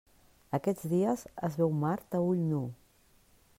Aquests dies es veu Mart a ull nu.